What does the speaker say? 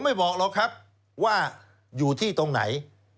บอกหรอกครับว่าอยู่ที่ตรงไหน